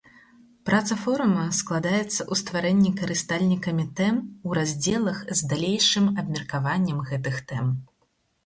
Праца форума складаецца ў стварэнні карыстальнікамі тэм у раздзелах з далейшым абмеркаваннем гэтых тэм.